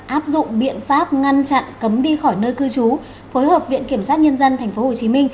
áp dụng biện pháp ngăn chặn cấm đi khỏi nơi cư trú phối hợp viện kiểm sát nhân dân tp hcm